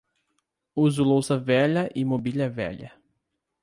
Uso louça velha e mobília velha.